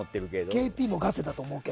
ＫＴもガセだと思うけど。